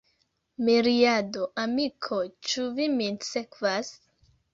Miriado, amikoj, ĉu vi min sekvas?